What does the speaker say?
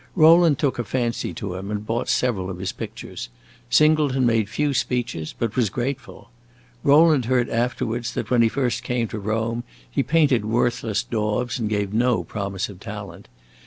Rowland took a fancy to him and bought several of his pictures; Singleton made few speeches, but was grateful. Rowland heard afterwards that when he first came to Rome he painted worthless daubs and gave no promise of talent.